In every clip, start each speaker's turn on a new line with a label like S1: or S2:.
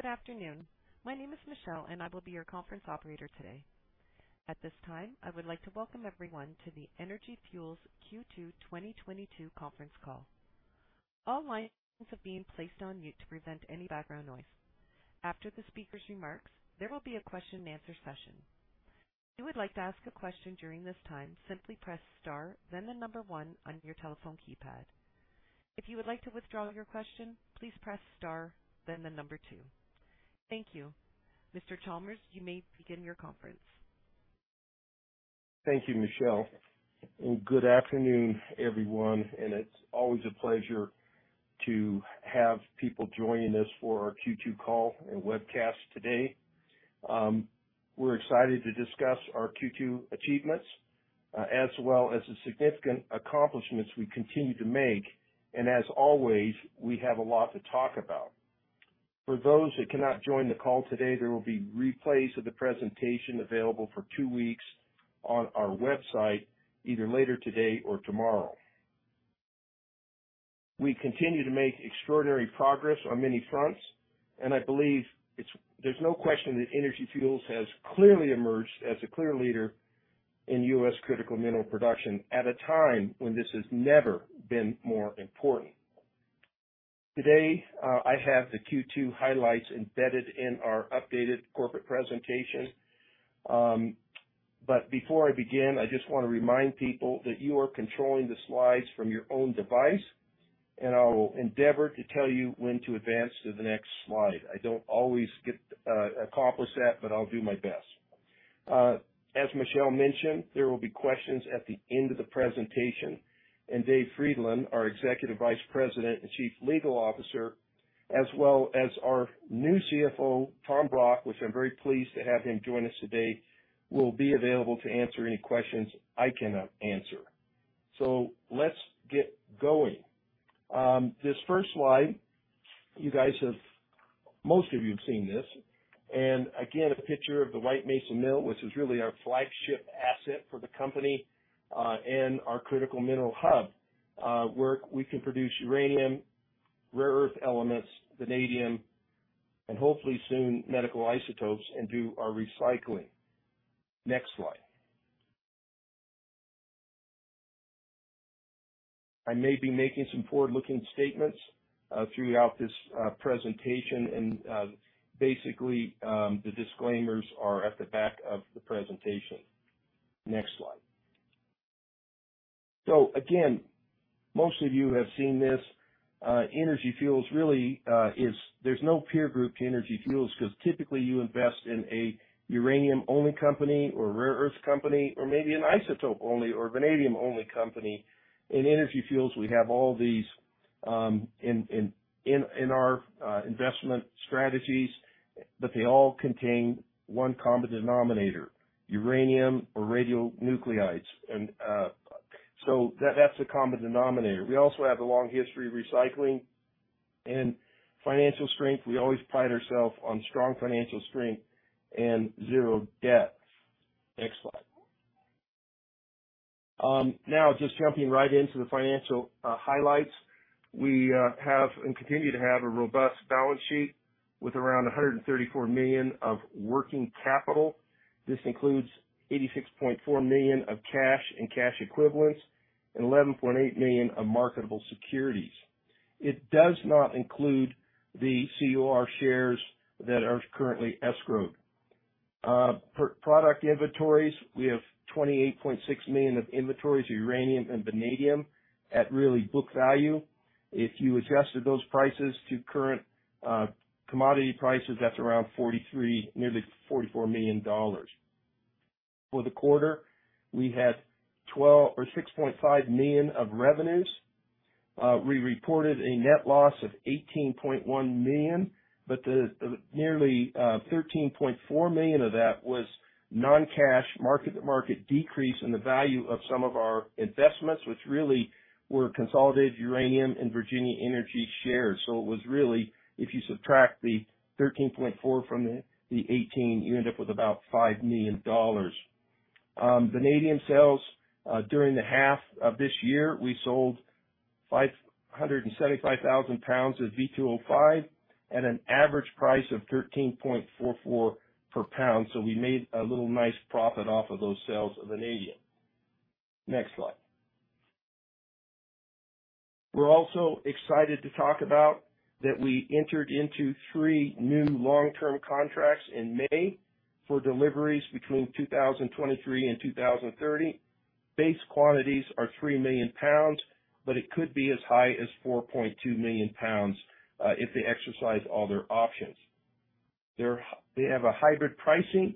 S1: Good afternoon. My name is Michelle, and I will be your conference operator today. At this time, I would like to welcome everyone to the Energy Fuels Q2 2022 Conference Call. All lines have been placed on mute to prevent any background noise. After the speaker's remarks, there will be a Q&A session. If you would like to ask a question during this time, simply press star then one on your telephone keypad. If you would like to withdraw your question, please press star then two. Thank you. Mr. Chalmers, you may begin your conference.
S2: Thank you, Michelle, and good afternoon, everyone. It's always a pleasure to have people joining us for our Q2 call and webcast today. We're excited to discuss our Q2 achievements, as well as the significant accomplishments we continue to make. As always, we have a lot to talk about. For those who cannot join the call today, there will be replays of the presentation available for two weeks on our website, either later today or tomorrow. We continue to make extraordinary progress on many fronts, and I believe there's no question that Energy Fuels has clearly emerged as a clear leader in U.S. critical mineral production at a time when this has never been more important. Today, I have the Q2 highlights embedded in our updated corporate presentation. Before I begin, I just wanna remind people that you are controlling the slides from your own device, and I will endeavor to tell you when to advance to the next slide. I don't always accomplish that, but I'll do my best. As Michelle mentioned, there will be questions at the end of the presentation. Dave Frydenlund, our Executive Vice President and Chief Legal Officer, as well as our new CFO, Tom Brock, which I'm very pleased to have him join us today, will be available to answer any questions I cannot answer. Let's get going. This first slide, you guys have most of you have seen this. Again, a picture of the White Mesa Mill, which is really our flagship asset for the company, and our critical mineral hub, where we can produce uranium, rare earth elements, vanadium, and hopefully soon, medical isotopes, and do our recycling. Next slide. I may be making some forward-looking statements throughout this presentation. Basically, the disclaimers are at the back of the presentation. Next slide. Again, most of you have seen this. Energy Fuels really is. There's no peer group to Energy Fuels because typically you invest in a uranium-only company or a rare earth company or maybe an isotope-only or a vanadium-only company. In Energy Fuels, we have all these in our investment strategies, but they all contain one common denominator, uranium or radionuclides. So that's a common denominator. We also have a long history of recycling and financial strength. We always pride ourselves on strong financial strength and zero debt. Next slide. Now just jumping right into the financial highlights. We have and continue to have a robust balance sheet with around $134 million of working capital. This includes $86.4 million of cash and cash equivalents and $11.8 million of marketable securities. It does not include the COR shares that are currently escrowed. Product inventories, we have $28.6 million of inventories, uranium and vanadium at real book value. If you adjusted those prices to current commodity prices, that's around $43 million, nearly $44 million. For the quarter, we had $126.5 million of revenues. We reported a net loss of $18.1 million, but the nearly $13.4 million of that was non-cash mark-to-market decrease in the value of some of our investments, which really were Consolidated Uranium and Virginia Energy shares. It was really, if you subtract the $13.4 million from the $18 million, you end up with about $5 million. Vanadium sales during the half of this year, we sold 575,000 pounds of V2O5 at an average price of $13.44 per pound. We made a little nice profit off of those sales of vanadium. Next slide. We're also excited to talk about that we entered into three new long-term contracts in May for deliveries between 2023 and 2030. Base quantities are 3 million pounds, but it could be as high as 4.2 million pounds, if they exercise all their options. They have a hybrid pricing.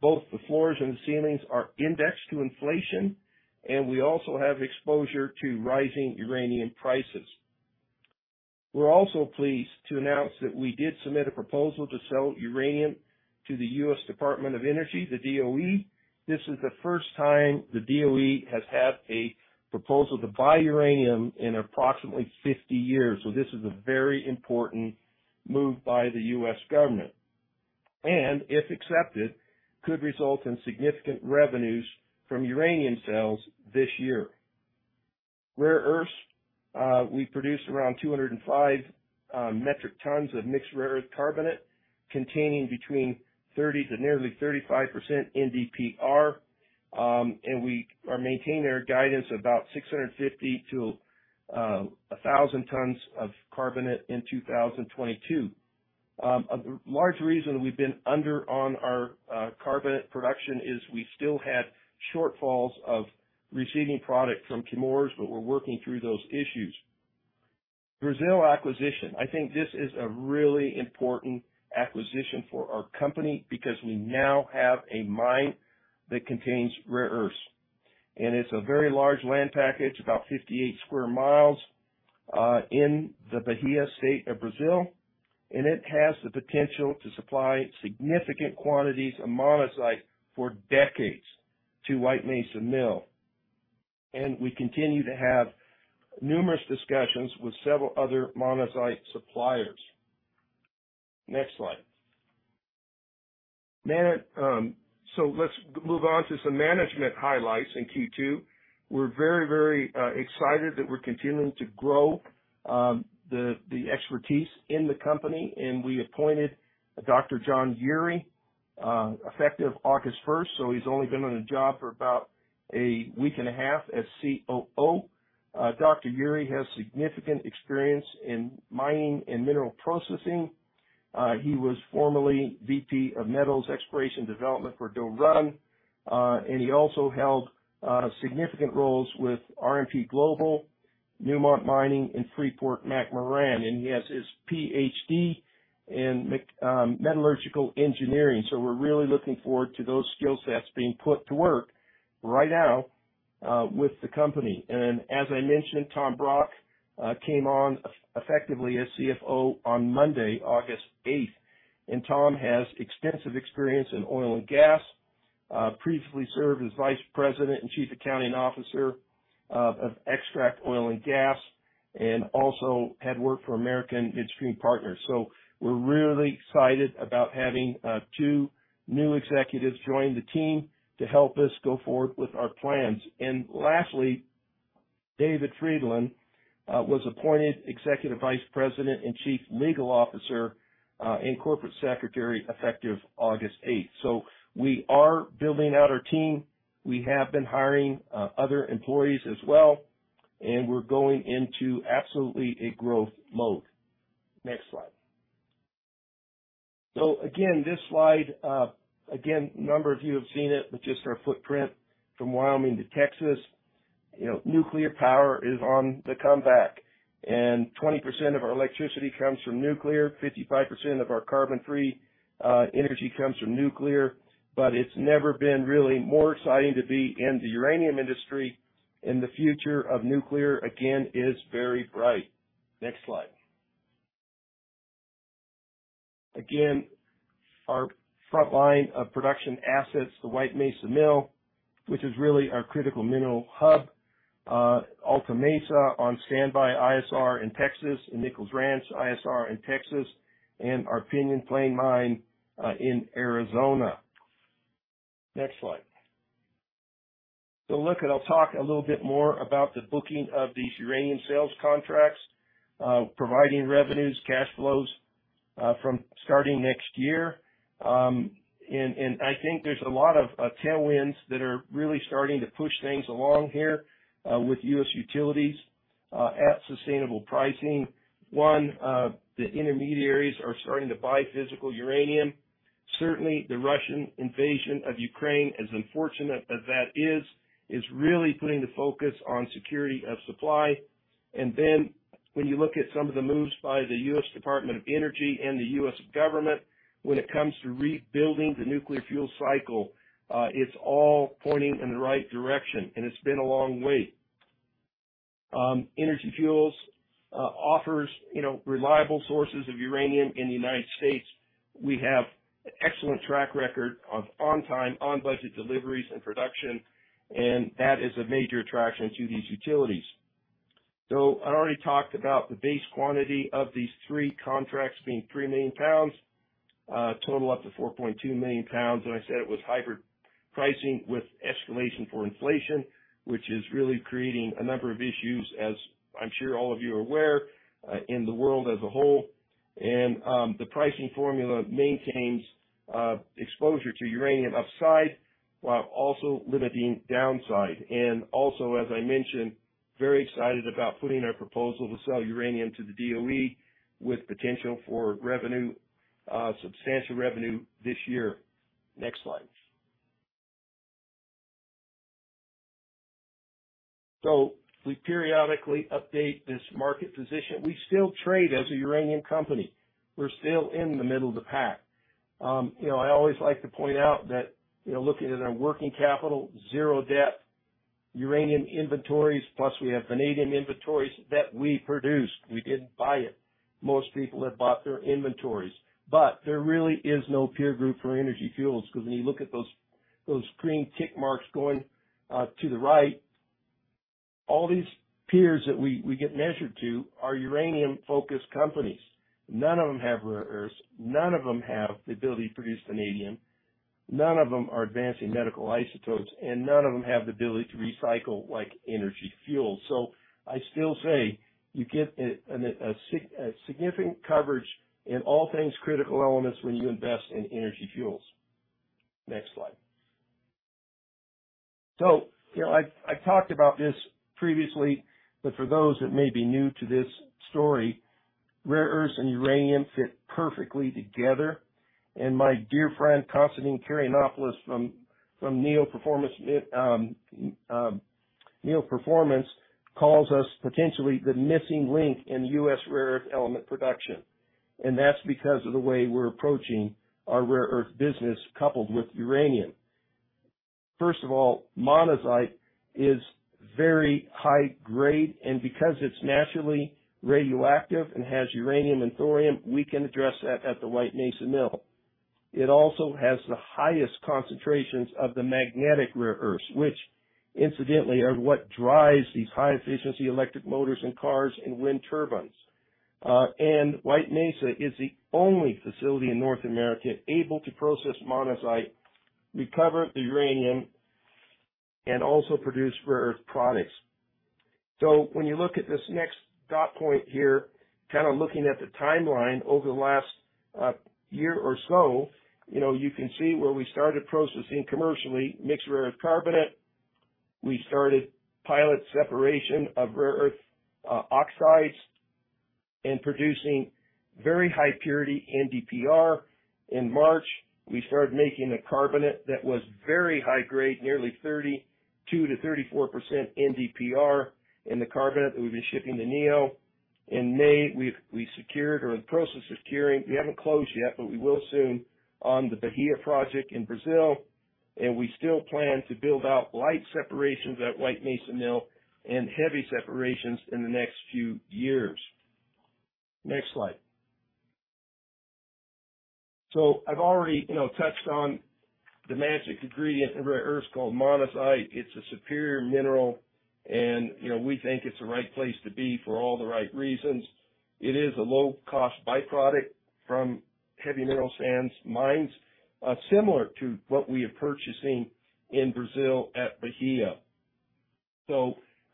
S2: Both the floors and the ceilings are indexed to inflation, and we also have exposure to rising uranium prices. We're also pleased to announce that we did submit a proposal to sell uranium to the U.S. Department of Energy, the DOE. This is the first time the DOE has had a proposal to buy uranium in approximately 50 years, so this is a very important move by the U.S. government. If accepted, could result in significant revenues from uranium sales this year. Rare earths. We produced around 205 metric tons of mixed rare earth carbonate containing between 30% to nearly 35% NdPr. We are maintaining our guidance about 650-1,000 tons of carbonate in 2022. A large reason we've been under on our carbonate production is we still had shortfalls of receiving product from Chemours, but we're working through those issues. Brazil acquisition. I think this is a really important acquisition for our company because we now have a mine that contains rare earths. It's a very large land package, about 58 sq mi, in the Bahia state of Brazil. It has the potential to supply significant quantities of monazite for decades to White Mesa Mill. We continue to have numerous discussions with several other monazite suppliers. Next slide. Let's move on to some management highlights in Q2. We're very excited that we're continuing to grow the expertise in the company, and we appointed Dr. John Uhrie effective August first, so he's only been on the job for about a week and a half as COO. Dr. Uhrie has significant experience in mining and mineral processing. He was formerly VP of Metals Exploration Development for Doe Run. He also held significant roles with RMP Global, Newmont Mining, and Freeport-McMoRan. He has his PhD in Metallurgical Engineering, so we're really looking forward to those skill sets being put to work right now with the company. As I mentioned, Tom Brock came on effectively as CFO on Monday, August eighth. Tom has extensive experience in oil and gas. Previously served as Vice President and Chief Accounting Officer of Extraction Oil and Gas, and also had worked for American Midstream Partners. We're really excited about having two new executives join the team to help us go forward with our plans. Lastly, David Frydenlund was appointed Executive Vice President and Chief Legal Officer and Corporate Secretary effective August eighth. We are building out our team. We have been hiring other employees as well, and we're going into absolutely a growth mode. Next slide. Again, this slide, again, a number of you have seen it, but just our footprint from Wyoming to Texas. You know, nuclear power is on the comeback, and 20% of our electricity comes from nuclear. 55% of our carbon free energy comes from nuclear. It's never been really more exciting to be in the uranium industry, and the future of nuclear, again, is very bright. Next slide. Again, our frontline of production assets, the White Mesa Mill, which is really our critical mineral hub, Alta Mesa on standby ISR in Texas, and Nichols Ranch ISR in Texas, and our Pinyon Plain Mine, in Arizona. Next slide. Look, and I'll talk a little bit more about the booking of these uranium sales contracts, providing revenues, cash flows, from starting next year. I think there's a lot of tailwinds that are really starting to push things along here, with U.S. utilities, at sustainable pricing. One, the intermediaries are starting to buy physical uranium. Certainly, the Russian invasion of Ukraine, as unfortunate as that is really putting the focus on security of supply. Then when you look at some of the moves by the U.S. Department of Energy and the U.S. government when it comes to rebuilding the nuclear fuel cycle, it's all pointing in the right direction, and it's been a long wait. Energy Fuels offers, you know, reliable sources of uranium in the United States. We have an excellent track record of on-time, on-budget deliveries and production, and that is a major attraction to these utilities. I already talked about the base quantity of these three contracts being 3 million pounds, total up to 4.2 million pounds. I said it was hybrid pricing with escalation for inflation, which is really creating a number of issues, as I'm sure all of you are aware, in the world as a whole. The pricing formula maintains exposure to uranium upside while also limiting downside. As I mentioned, very excited about putting our proposal to sell uranium to the DOE with potential for revenue, substantial revenue this year. Next slide. We periodically update this market position. We still trade as a uranium company. We're still in the middle of the pack. You know, I always like to point out that, you know, looking at our working capital, zero debt, uranium inventories, plus we have vanadium inventories that we produced. We didn't buy it. Most people have bought their inventories. There really is no peer group for Energy Fuels because when you look at those green tick marks going to the right, all these peers that we get measured to are uranium-focused companies. None of them have rare earths. None of them have the ability to produce vanadium. None of them are advancing medical isotopes, and none of them have the ability to recycle like Energy Fuels. I still say you get a significant coverage in all things critical elements when you invest in Energy Fuels. Next slide. I talked about this previously, but for those that may be new to this story, rare earths and uranium fit perfectly together. My dear friend, Constantine Karayannopoulos from Neo Performance calls us potentially the missing link in U.S. rare earth element production. That's because of the way we're approaching our rare earth business coupled with uranium. First of all, monazite is very high grade, and because it's naturally radioactive and has uranium and thorium, we can address that at the White Mesa Mill. It also has the highest concentrations of the magnetic rare earths, which incidentally are what drives these high-efficiency electric motors in cars and wind turbines. White Mesa is the only facility in North America able to process monazite, recover the uranium, and also produce rare earth products. When you look at this next dot point here, kinda looking at the timeline over the last year or so, you know, you can see where we started processing commercially mixed rare earth carbonate. We started pilot separation of rare earth oxides and producing very high purity NdPr. In March, we started making a carbonate that was very high grade, nearly 32%-34% NdPr in the carbonate that we've been shipping to Neo. In May, we secured or in the process of securing, we haven't closed yet, but we will soon on the Bahia project in Brazil, and we still plan to build out light separations at White Mesa Mill and heavy separations in the next few years. Next slide. I've already, you know, touched on the magic ingredient in rare earths called monazite. It's a superior mineral and, you know, we think it's the right place to be for all the right reasons. It is a low-cost byproduct from heavy mineral sands mines, similar to what we are purchasing in Brazil at Bahia.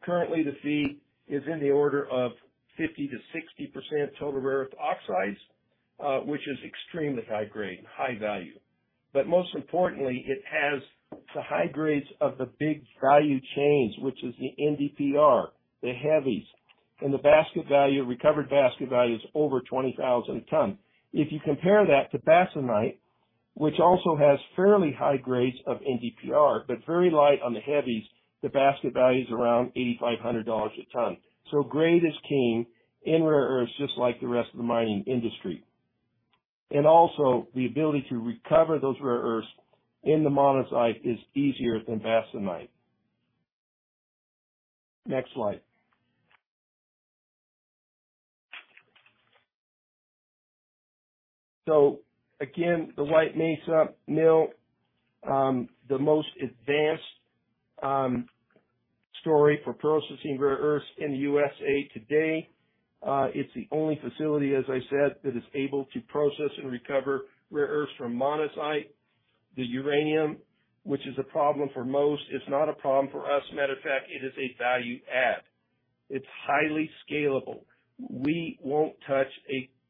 S2: Currently the feed is in the order of 50%-60% total rare earth oxides, which is extremely high grade and high value. Most importantly, it has the high grades of the big value chains, which is the NdPr, the heavies. The basket value, recovered basket value is over $20,000 a ton. If you compare that to bastnäsite, which also has fairly high grades of NdPr, but very light on the heavies, the basket value is around $8,500 a ton. Grade is king in rare earths, just like the rest of the mining industry. The ability to recover those rare earths in the monazite is easier than bastnäsite. Next slide. The White Mesa Mill, the most advanced story for processing rare earths in the USA today. It's the only facility, as I said, that is able to process and recover rare earths from monazite. The uranium, which is a problem for most, it's not a problem for us. Matter of fact, it is a value add. It's highly scalable. We won't touch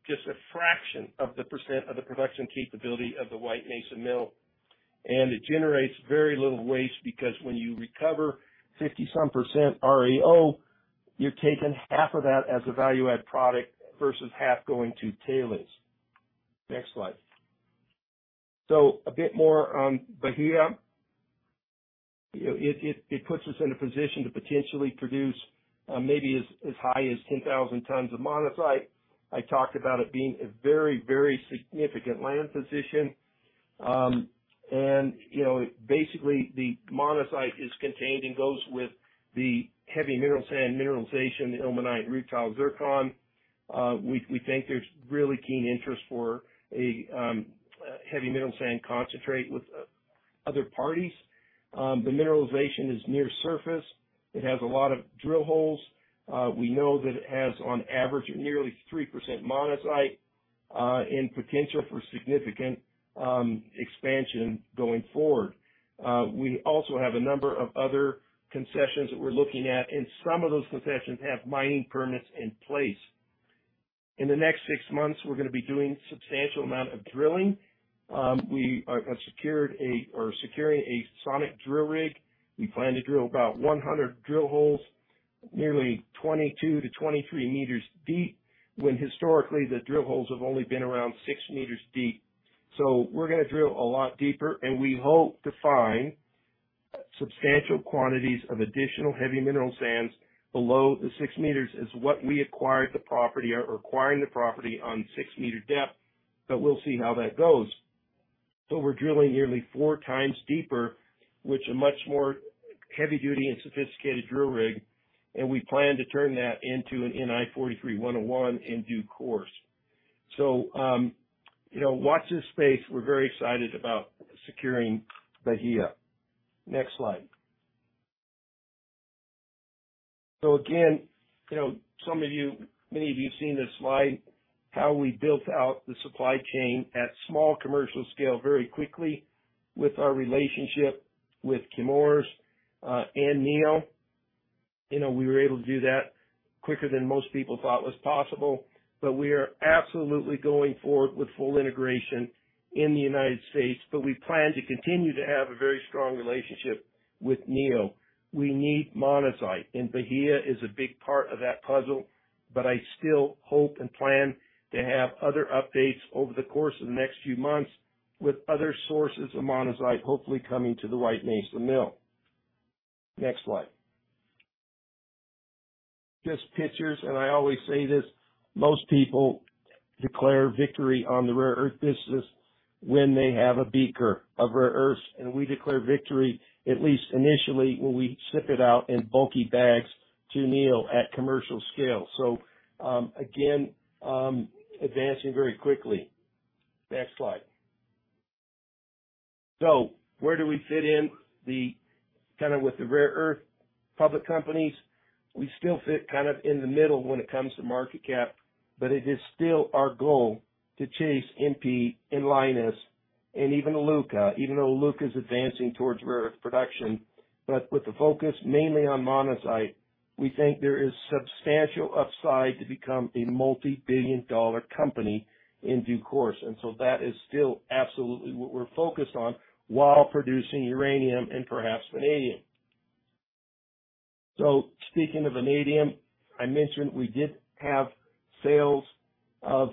S2: just a fraction of the percent of the production capability of the White Mesa Mill. It generates very little waste because when you recover 50-some% REO, you're taking half of that as a value-add product versus half going to tailings. Next slide. A bit more on Bahia. It puts us in a position to potentially produce maybe as high as 10,000 tons of monazite. I talked about it being a very significant land position. Basically, the monazite is contained and goes with the heavy mineral sand mineralization, the ilmenite, rutile, zircon. We think there's really keen interest for a heavy mineral sand concentrate with other parties. The mineralization is near surface. It has a lot of drill holes. We know that it has on average nearly 3% monazite and potential for significant expansion going forward. We also have a number of other concessions that we're looking at, and some of those concessions have mining permits in place. In the next six months, we're gonna be doing substantial amount of drilling. We have secured or are securing a sonic drill rig. We plan to drill about 100 drill holes nearly 22-23 meters deep, when historically the drill holes have only been around 6 meters deep. We're gonna drill a lot deeper, and we hope to find substantial quantities of additional heavy mineral sands below the 6 meters, as what we acquired the property or acquiring the property on six-meter depth, but we'll see how that goes. We're drilling nearly 4 times deeper, with a much more heavy-duty and sophisticated drill rig, and we plan to turn that into an NI 43-101 in due course. You know, watch this space. We're very excited about securing Bahia. Next slide. Again, you know, some of you, many of you have seen this slide, how we built out the supply chain at small commercial scale very quickly with our relationship with Chemours, and Neo. You know, we were able to do that quicker than most people thought was possible. We are absolutely going forward with full integration in the United States. We plan to continue to have a very strong relationship with Neo. We need monazite, and Bahia is a big part of that puzzle. I still hope and plan to have other updates over the course of the next few months with other sources of monazite, hopefully coming to the White Mesa Mill. Next slide. Just pictures, and I always say this. Most people declare victory on the rare earth business when they have a beaker of rare earths. We declare victory at least initially, when we ship it out in bulky bags to Neo at commercial scale. Again, advancing very quickly. Next slide. Where do we fit in the, kind of with the rare earth public companies? We still fit kind of in the middle when it comes to market cap, but it is still our goal to chase MP and Lynas and even Iluka, even though Iluca's advancing towards rare earth production. With the focus mainly on monazite, we think there is substantial upside to become a multi-billion dollar company in due course. That is still absolutely what we're focused on while producing uranium and perhaps vanadium. Speaking of vanadium, I mentioned we did have sales of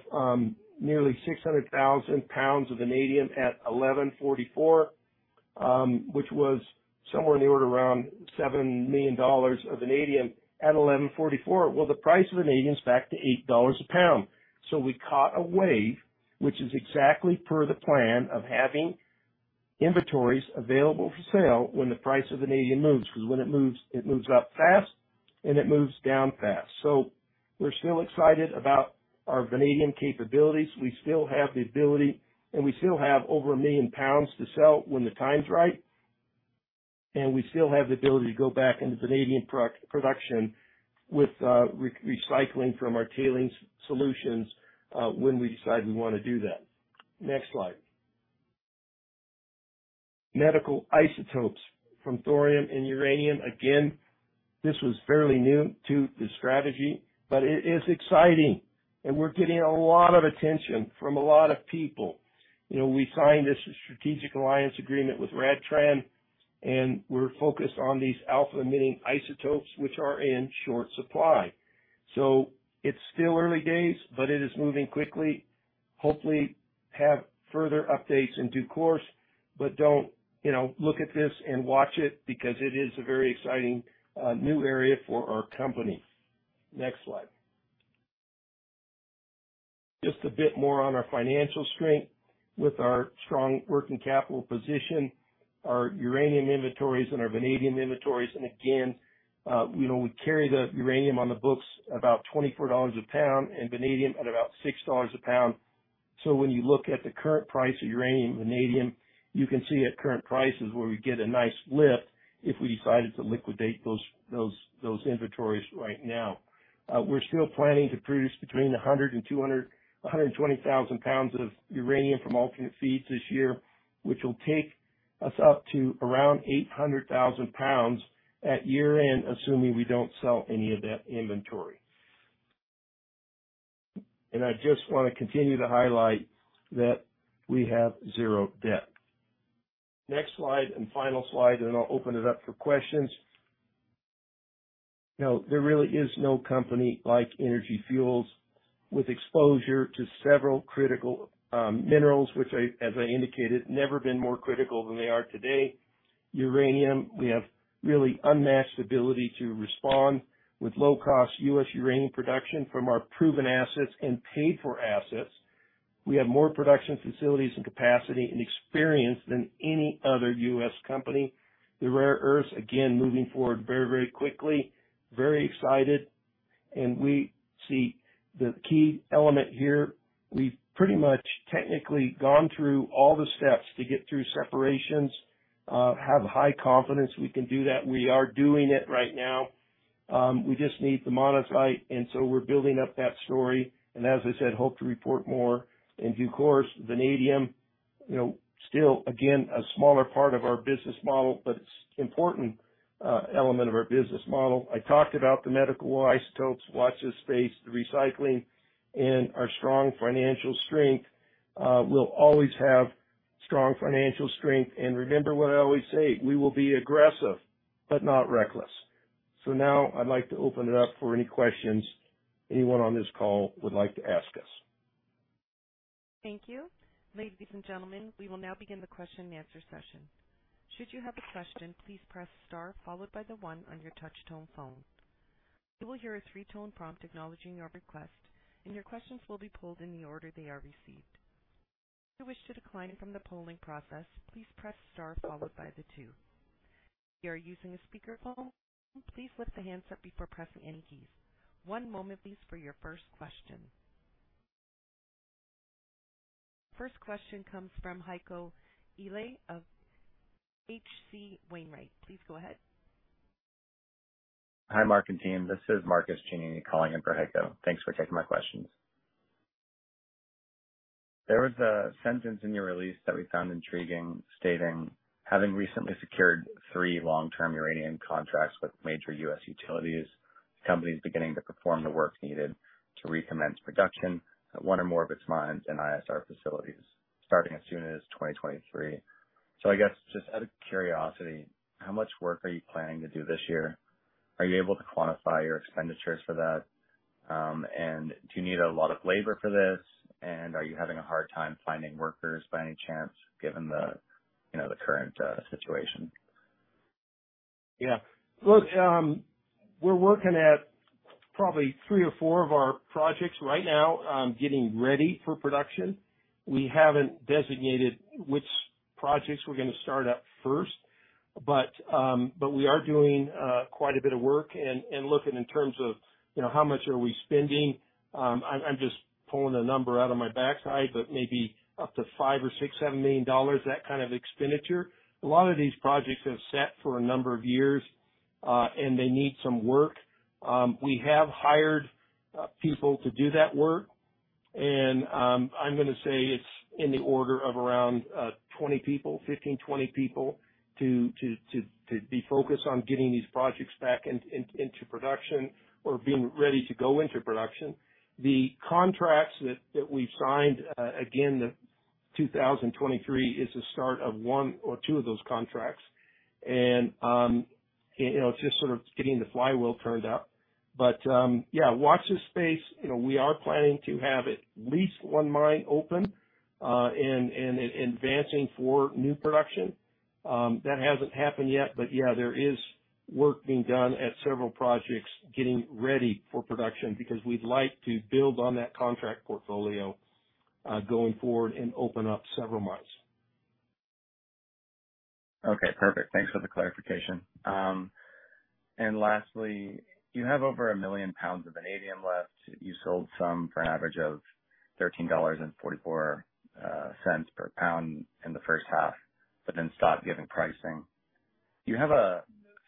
S2: nearly 600,000 pounds of vanadium at $11.44, which was somewhere in the order around $7 million of vanadium at $11.44. Well, the price of vanadium is back to $8 a pound. We caught a wave, which is exactly per the plan of having inventories available for sale when the price of vanadium moves, 'cause when it moves, it moves up fast and it moves down fast. We're still excited about our vanadium capabilities. We still have the ability, and we still have over 1 million pounds to sell when the time's right. We still have the ability to go back into vanadium production with recycling from our tailings solutions when we decide we wanna do that. Next slide. Medical isotopes from thorium and uranium. Again, this was fairly new to the strategy, but it is exciting and we're getting a lot of attention from a lot of people. You know, we signed a strategic alliance agreement with RadTran, and we're focused on these alpha-emitting isotopes, which are in short supply. It's still early days, but it is moving quickly. Hopefully have further updates in due course. Don't, you know, look at this and watch it because it is a very exciting new area for our company. Next slide. Just a bit more on our financial strength with our strong working capital position, our uranium inventories and our vanadium inventories. Again, you know, we carry the uranium on the books about $24 a pound and vanadium at about $6 a pound. When you look at the current price of uranium, vanadium, you can see at current prices where we get a nice lift if we decided to liquidate those inventories right now. We're still planning to produce between 100 and 120,000 pounds of uranium from alternate feeds this year, which will take us up to around 800,000 pounds at year-end, assuming we don't sell any of that inventory. I just wanna continue to highlight that we have zero debt. Next slide and final slide, and then I'll open it up for questions. You know, there really is no company like Energy Fuels with exposure to several critical minerals, which I, as I indicated, never been more critical than they are today. Uranium, we have really unmatched ability to respond with low-cost U.S. uranium production from our proven assets and paid-for assets. We have more production facilities and capacity and experience than any other U.S. company. The rare earths, again, moving forward very, very quickly. Very excited. We see the key element here. We've pretty much technically gone through all the steps to get through separations. Have high confidence we can do that. We are doing it right now. We just need the monazite, and so we're building up that story. As I said, hope to report more in due course. Vanadium, you know, still, again, a smaller part of our business model, but it's important element of our business model. I talked about the medical isotopes. Watch this space, the recycling and our strong financial strength. We'll always have strong financial strength. Remember what I always say, we will be aggressive, but not reckless. Now I'd like to open it up for any questions anyone on this call would like to ask us.
S1: Thank you. Ladies and gentlemen, we will now begin the Q&A session. Should you have a question, please press star followed by the one on your touch tone phone. You will hear a three-tone prompt acknowledging your request, and your questions will be pulled in the order they are received. If you wish to decline from the polling process, please press star followed by the two. If you are using a speakerphone, please lift the handset before pressing any keys. One moment please for your first question. First question comes from Heiko Ihle of H.C. Wainwright. Please go ahead.
S3: Hi, Mark and team. This is Marcus Giannini calling in for Heiko. Thanks for taking my questions. There was a sentence in your release that we found intriguing, stating, "Having recently secured three long-term uranium contracts with major U.S. utilities, the company is beginning to perform the work needed to recommence production at one or more of its mines and ISR facilities starting as soon as 2023." I guess just out of curiosity, how much work are you planning to do this year? Are you able to quantify your expenditures for that? And do you need a lot of labor for this? And are you having a hard time finding workers by any chance, given the, you know, the current situation?
S2: Yeah. Look, we're working at probably three or four of our projects right now on getting ready for production. We haven't designated which projects we're gonna start up first, but we are doing quite a bit of work and looking in terms of, you know, how much are we spending. I'm just pulling a number out of my backside, but maybe up to $5 million-$7 million, that kind of expenditure. A lot of these projects have sat for a number of years, and they need some work. We have hired people to do that work and I'm gonna say it's in the order of around 15-20 people to be focused on getting these projects back into production or being ready to go into production. The contracts that we've signed, again, 2023 is the start of one or two of those contracts. You know, it's just sort of getting the flywheel turned up. Yeah, watch this space. You know, we are planning to have at least one mine open, and advancing for new production. That hasn't happened yet, but yeah, there is work being done at several projects getting ready for production because we'd like to build on that contract portfolio, going forward and open up several mines.
S3: Okay, perfect. Thanks for the clarification. Lastly, you have over 1 million pounds of vanadium left. You sold some for an average of $13.44 per pound in the first half, but then stopped giving pricing. Do you have a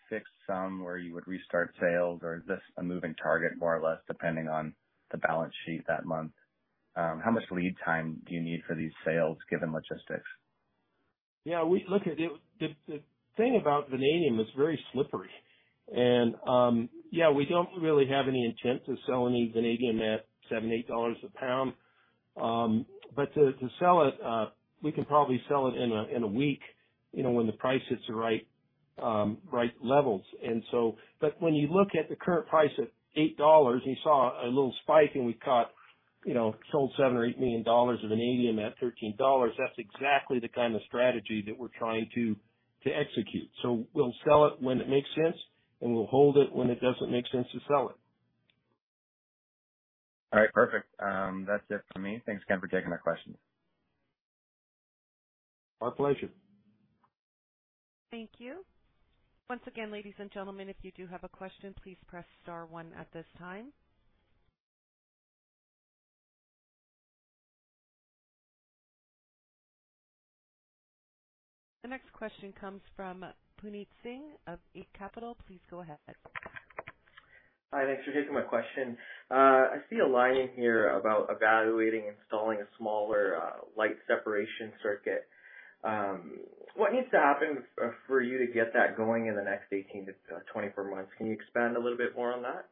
S3: fixed sum where you would restart sales, or is this a moving target more or less, depending on the balance sheet that month? How much lead time do you need for these sales, given logistics?
S2: Yeah. Look at it, the thing about vanadium, it's very slippery. Yeah, we don't really have any intent to sell any vanadium at $7-$8 a pound. To sell it, we can probably sell it in a week, you know, when the price hits the right levels. When you look at the current price of $8, you saw a little spike and we caught, you know, sold $7 million or $8 million of vanadium at $13. That's exactly the kind of strategy that we're trying to execute. We'll sell it when it makes sense, and we'll hold it when it doesn't make sense to sell it.
S3: All right. Perfect. That's it for me. Thanks again for taking my questions.
S2: My pleasure.
S1: Thank you. Once again, ladies and gentlemen, if you do have a question, please press star one at this time. The next question comes from Puneet Singh of Eight Capital. Please go ahead.
S4: Hi, thanks for taking my question. I see a line in here about evaluating installing a smaller, light separation circuit. What needs to happen for you to get that going in the next 18 to 24 months? Can you expand a little bit more on that?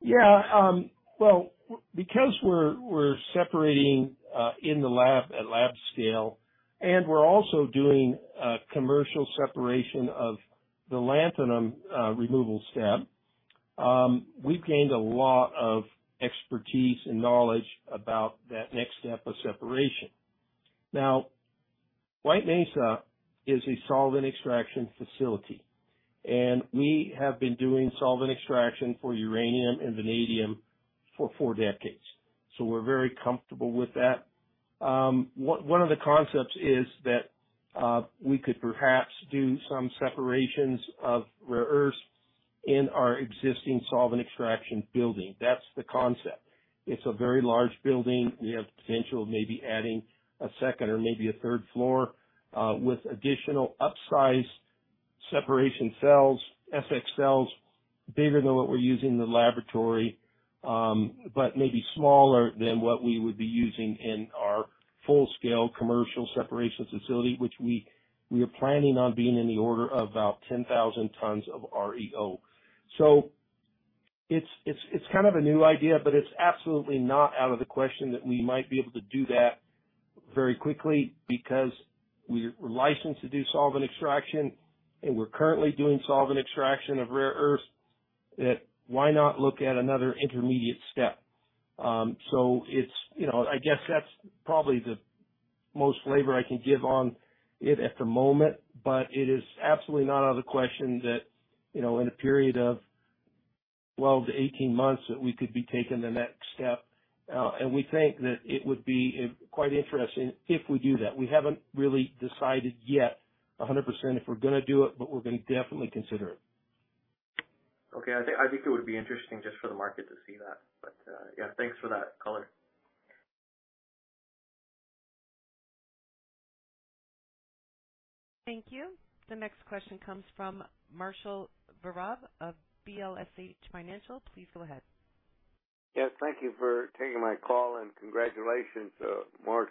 S2: Yeah. Well, because we're separating in the lab at lab scale, and we're also doing commercial separation of the lanthanum removal step, we've gained a lot of expertise and knowledge about that next step of separation. Now, White Mesa is a solvent extraction facility, and we have been doing solvent extraction for uranium and vanadium for four decades. We're very comfortable with that. One of the concepts is that we could perhaps do some separations of rare earths in our existing solvent extraction building. That's the concept. It's a very large building. We have potential of maybe adding a second or maybe a third floor, with additional upsized separation cells, SX cells, bigger than what we're using in the laboratory, but maybe smaller than what we would be using in our full-scale commercial separation facility, which we are planning on being in the order of about 10,000 tons of REO. It's kind of a new idea, but it's absolutely not out of the question that we might be able to do that very quickly because we're licensed to do solvent extraction, and we're currently doing solvent extraction of rare earths. That's why not look at another intermediate step? It's, you know, I guess that's probably the most flavor I can give on it at the moment, but it is absolutely not out of the question that, you know, in a period of 12-18 months, that we could be taking the next step. We think that it would be quite interesting if we do that. We haven't really decided yet 100% if we're gonna do it, but we're gonna definitely consider it.
S4: Okay. I think it would be interesting just for the market to see that. Yeah, thanks for that color.
S1: Thank you. The next question comes from Marshall Berol of BL/SH Financial. Please go ahead.
S5: Yes, thank you for taking my call and congratulations, Mark,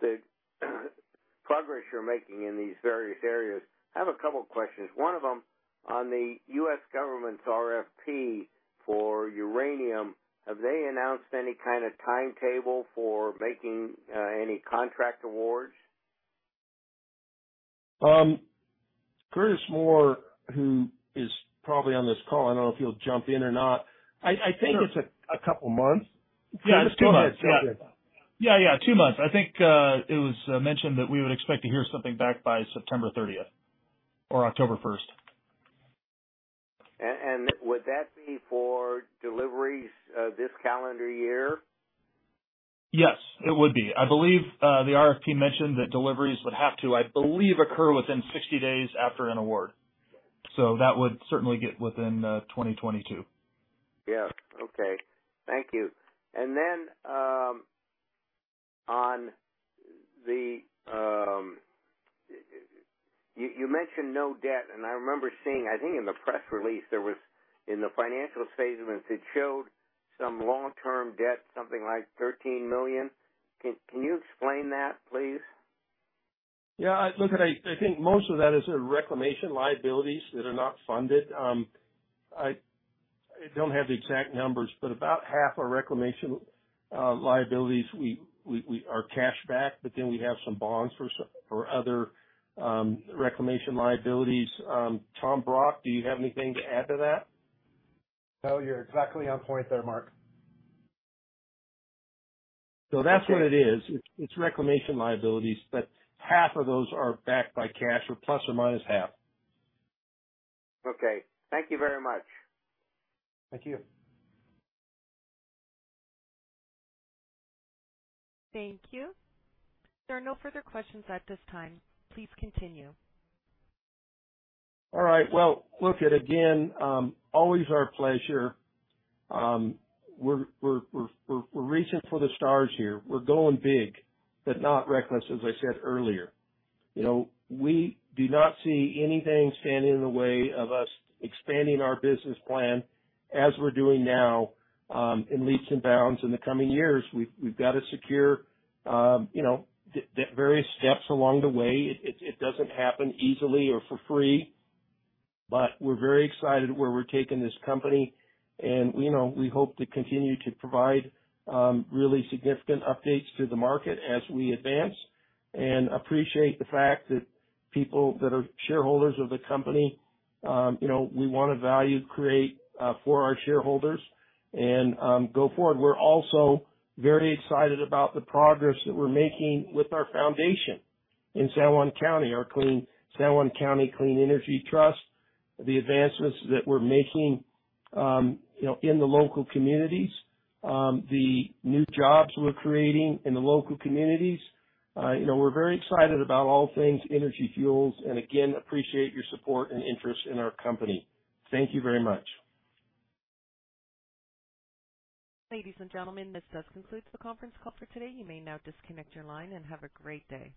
S5: the progress you're making in these various areas. I have a couple of questions. One of them on the U.S. government's RFP for uranium, have they announced any kind of timetable for making, any contract awards?
S2: Curtis Moore, who is probably on this call. I don't know if he'll jump in or not. I think it's a couple months.
S6: Yeah, it's two months.
S2: Yeah, yeah. Two months. I think it was mentioned that we would expect to hear something back by September thirtieth or October first.
S5: Would that be for deliveries this calendar year?
S6: Yes, it would be. I believe, the RFP mentioned that deliveries would have to, I believe, occur within 60 days after an award. That would certainly get within 2022.
S5: Yeah. Okay. Thank you. Then, on the, you mentioned no debt. I remember seeing, I think in the press release, there was in the financial statements, it showed some long-term debt, something like $13 million. Can you explain that, please?
S2: Yeah, look, I think most of that is reclamation liabilities that are not funded. I don't have the exact numbers, but about half our reclamation liabilities we are cash backed, but then we have some bonds for other reclamation liabilities. Tom Brock, do you have anything to add to that?
S7: No, you're exactly on point there, Mark.
S2: That's what it is. It's reclamation liabilities, but half of those are backed by cash or plus or minus half.
S5: Okay. Thank you very much.
S2: Thank you.
S1: Thank you. There are no further questions at this time. Please continue.
S2: All right. Well, look at again, always our pleasure. We're reaching for the stars here. We're going big, but not reckless, as I said earlier. You know, we do not see anything standing in the way of us expanding our business plan as we're doing now, in leaps and bounds in the coming years. We've got to secure, you know, the various steps along the way. It doesn't happen easily or for free, but we're very excited where we're taking this company. You know, we hope to continue to provide really significant updates to the market as we advance and appreciate the fact that people that are shareholders of the company, you know, we want to create value for our shareholders and go forward. We're also very excited about the progress that we're making with our foundation in San Juan County, San Juan County Clean Energy Foundation, the advancements that we're making, you know, in the local communities, the new jobs we're creating in the local communities. You know, we're very excited about all things Energy Fuels, and again, appreciate your support and interest in our company. Thank you very much.
S1: Ladies and gentlemen, this does conclude the conference call for today. You may now disconnect your line and have a great day.